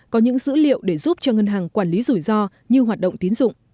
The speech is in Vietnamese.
có những dữ liệu để giúp cho ngân hàng quản lý rủi ro như hoạt động tiến dụng